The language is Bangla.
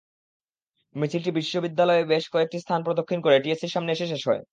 মিছিলটি বিশ্ববিদ্যালয়ের বেশ কয়েকটি স্থান প্রদক্ষিণ করে টিএসসির সামনে এসে শেষ হয়।